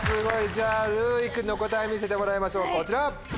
じゃあるうい君の答え見せてもらいましょうこちら。